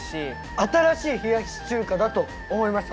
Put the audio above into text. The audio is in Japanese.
新しい冷やし中華だと思いました。